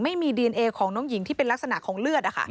ไม่มีดีเอนเอของน้องหญิงที่เป็นลักษณะของเลือด